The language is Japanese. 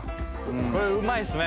これうまいっすね。